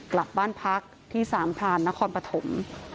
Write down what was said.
กลับบ้านพักที่สามพรานนครปฐม